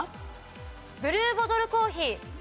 ブルーボトルコーヒー。